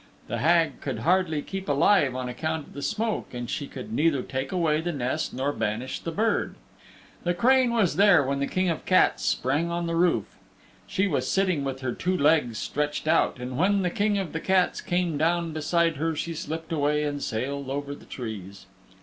The Hag could hardly keep alive on account of the smoke and she could neither take away the nest nor banish the bird. The crane was there when the King of the Cats sprang on the roof. She was sitting with her two legs stretched out, and when the King of the Cats came down beside her she slipped away and sailed over the trees.